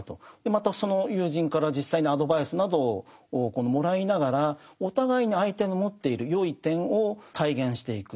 またその友人から実際にアドバイスなどをもらいながらお互いに相手の持っている善い点を体現していく。